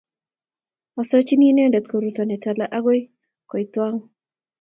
asochini inende koruto ne tala agoi kaitang'wang